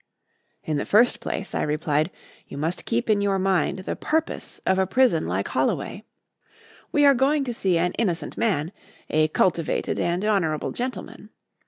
"In the first place," I replied, "you must keep in your mind the purpose of a prison like Holloway. We are going to see an innocent man a cultivated and honourable gentleman.